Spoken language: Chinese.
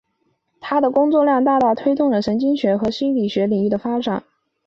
他的工作大大推动了神经学和心理学领域的发展。